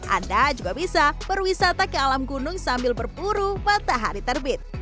anda juga bisa berwisata ke alam gunung sambil berburu matahari terbit